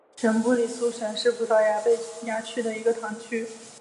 圣布里苏什是葡萄牙贝雅区的一个堂区。